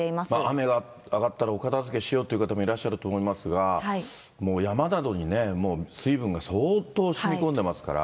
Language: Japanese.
雨が上がったらお片づけしようという方もいらっしゃると思いますが、もう山などにね、水分が相当しみ込んでますから。